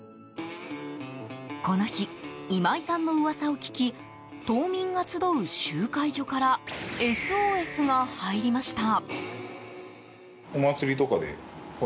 この日、今井さんの噂を聞き島民が集う集会所からＳＯＳが入りました。